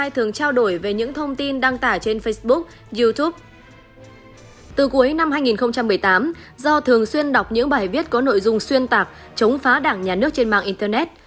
từ cuối năm hai nghìn một mươi tám do thường xuyên đọc những bài viết có nội dung xuyên tạc chống phá đảng nhà nước trên mạng internet